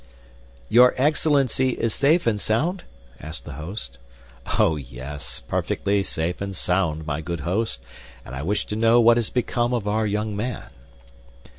"Your Excellency is safe and sound?" asked the host. "Oh, yes! Perfectly safe and sound, my good host; and I wish to know what has become of our young man."